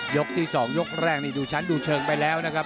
ยกที่สองยกแรกนี้ดูฉันดูเชิงไปแล้วนะครับ